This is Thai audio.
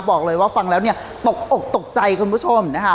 บอกเลยว่าฟังแล้วเนี่ยตกอกตกใจคุณผู้ชมนะคะ